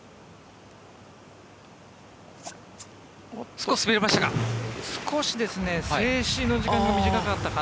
少し滑りましたか。